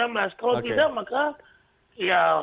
kalau tidak maka ya